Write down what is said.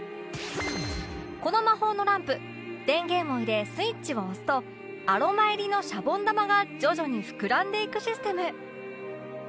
この魔法のランプ電源を入れスイッチを押すとアロマ入りのしゃぼん玉が徐々に膨らんでいくシステム